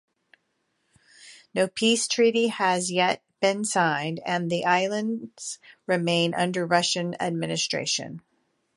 No peace treaty has yet been signed, and the islands remain under Russian administration.